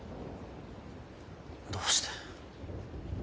どうして。